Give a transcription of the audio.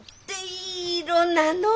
いい色なの。